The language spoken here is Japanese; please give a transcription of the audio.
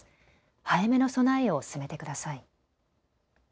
早めの備えを進めてください。